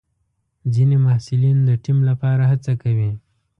ځینې محصلین د ټیم لپاره هڅه کوي.